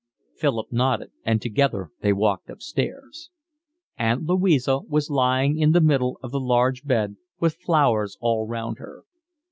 Philip nodded and together they walked upstairs. Aunt Louisa was lying in the middle of the large bed, with flowers all round her.